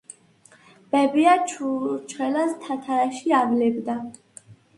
ბებია ჩურჩხელას თათარაში ავლებდა